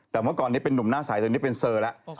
แต่เมื่อก่อนนี้เป็นนุ่มหน้าใสตอนนี้เป็นเซอร์แล้ว